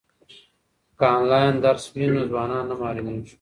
که انلاین درس وي نو ځوانان نه محرومیږي.